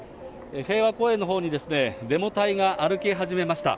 平和公園のほうにデモ隊が歩き始めました。